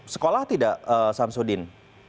sekolah tidak samsudin